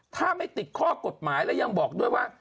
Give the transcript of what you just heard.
ถ้าไม่ติดข้อกฎหมายแล้วยังบอกด้วยว่า